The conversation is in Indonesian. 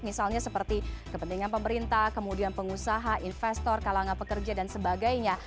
misalnya seperti kepentingan pemerintah kemudian pengusaha investor kalangan pekerja dan sebagainya